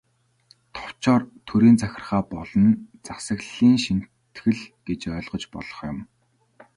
Товчоор, төрийн захиргаа болон засаглалын шинэтгэл гэж ойлгож болох юм.